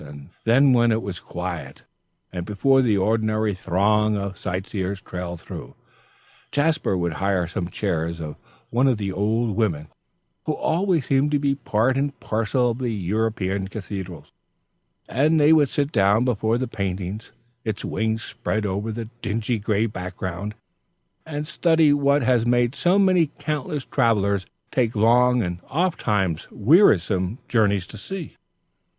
And then when it was quiet, and before the ordinary throng of sight seers trailed through, Jasper would hire some chairs of one of the old women who always seem to be part and parcel of European cathedrals; and they would sit down before the painting, its wings spread over the dingy green background, and study what has made so many countless travellers take long and oftentimes wearisome journeys to see.